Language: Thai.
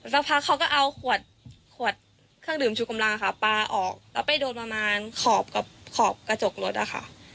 สักพักเขาก็เอาขวดเครื่องดื่มชูคำลังป๊าออกไปโดนขอบกระจกรถครับ